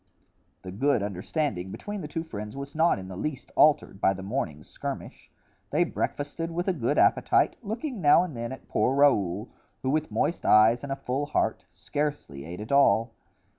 The good understanding between the two friends was not in the least altered by the morning's skirmish. They breakfasted with a good appetite, looking now and then at poor Raoul, who with moist eyes and a full heart, scarcely ate at all.